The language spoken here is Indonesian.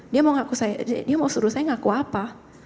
dia mau suruh saya ngaku apa